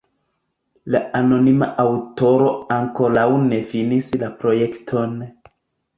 La anonima aŭtoro ankoraŭ ne finis la projekton.